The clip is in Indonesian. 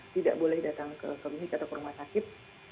tidak boleh datang ke komik atau ke rumah sakit